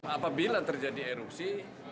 apabila terjadi erupsi